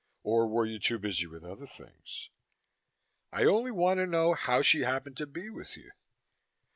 Or were you too busy with other things?" "I only want to know how she happened to be with you."